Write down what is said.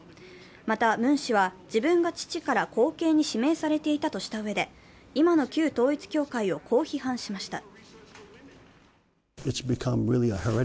またムン氏は自分が父から後継に指名されていたとしたうえで今の旧統一教会をこう批判しました。